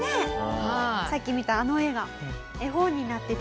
さっき見たあの絵が絵本になって出てくると。